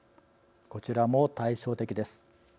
こちらも対照的です。